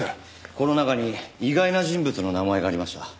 この中に意外な人物の名前がありました。